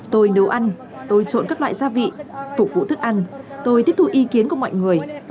tôi nấu ăn tôi trộn các loại gia vị phục vụ thức ăn tôi tiếp thu ý kiến của mọi người